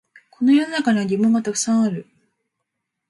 この世の中には疑問がたくさんある